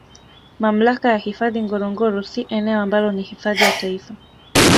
Mamlaka ya hifadhi Ngorongoro si eneo ambalo ni hifadhi ya Taifa